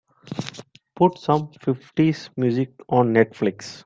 Put some fifties music on Netflix